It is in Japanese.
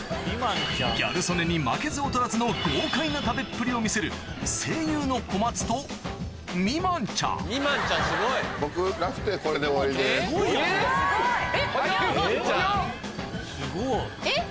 ギャル曽根に負けず劣らずの豪快な食べっぷりを見せる声優の小松と未満ちゃんえっ？えっ？